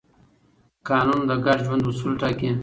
قانون د ګډ ژوند اصول ټاکي.